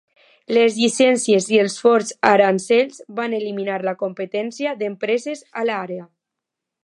Les llicències i els forts aranzels van eliminar la competència d'empreses a l'àrea.